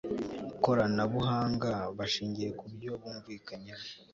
koranabuhanga bashingiye ku byo bumvikanyeho